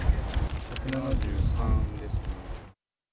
１７３ですね。